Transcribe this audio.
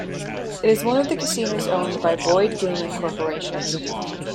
It is one of the casinos owned by Boyd Gaming Corporation.